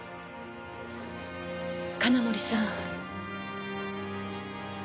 金森さん。